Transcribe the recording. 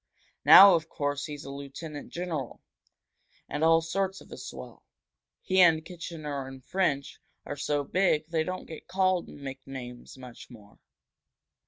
Now, of course, he's a lieutenant general, and all sorts of a swell. He and Kitchener and French are so big they don't get called nicknames much more."